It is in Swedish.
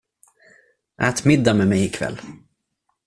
Ät middag med mig i kväll.